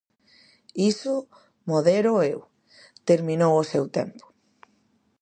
Iso modéroo eu; terminou o seu tempo.